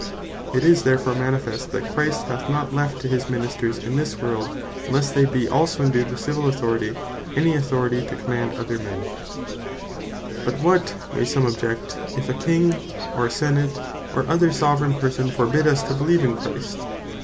It is therefore manifest, that Christ hath not left to his Ministers in this world, unlesse they be also endued with Civill Authority, any authority to Command other men. What Christians May Do To Avoid Persecution But what (may some object) if a King, or a Senate, or other Soveraign Person forbid us to beleeve in Christ?